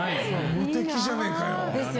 無敵じゃねえかよ！